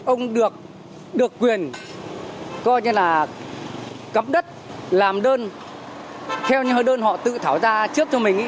tức là ông được được quyền coi như là cắm đất làm đơn theo như là đơn họ tự thảo ra trước cho mình ý